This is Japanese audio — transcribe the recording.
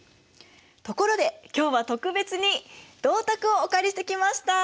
ところで今日は特別に銅鐸をお借りしてきました！